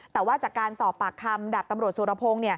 แต่ว่าจากการสอบปากคำดับตำรวจสุรพงศ์